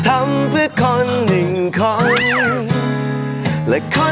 มันเป็นแบบน่ารักอ่ะ